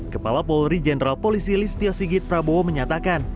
kepala polri jenderal polisi listio sigit prabowo menyatakan